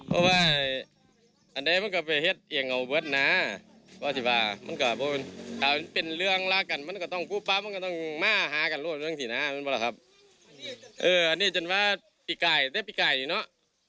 มันเคยเห็นนะมันเคยอย่างนั้นมันเคยมาบ้านมาหา